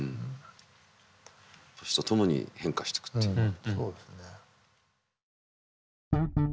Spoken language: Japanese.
年とともに変化していくっていうのは。